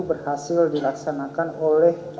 berhasil dilaksanakan oleh